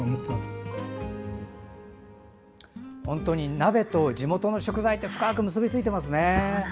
鍋と地元の食材って深く結びついてますね。